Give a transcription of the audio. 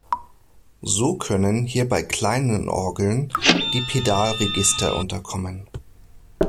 So können hier bei kleinen Orgeln die Pedalregister unterkommen.